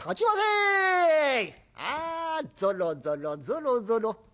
ああぞろぞろぞろぞろ。